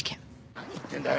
何言ってんだよ